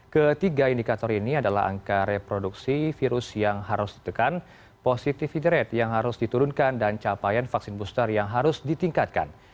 ketiga indikator ini adalah angka reproduksi virus yang harus ditekan positivity rate yang harus diturunkan dan capaian vaksin booster yang harus ditingkatkan